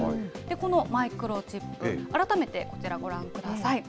このマイクロチップ、改めてこちら、ご覧ください。